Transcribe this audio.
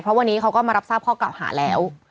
เพราะวันนี้เขาก็มารับทราบข้อกล่าวหาแล้ว